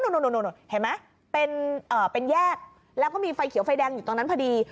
เห็นไหมเป็นแยกแล้วก็มีไฟเขียวไฟแดงอยู่ตรงนั้นพอดี